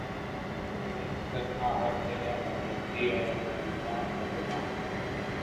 پرند کرنا ہَر جگہ موجودگی اور رنگنا رنگنا